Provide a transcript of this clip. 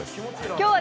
今日は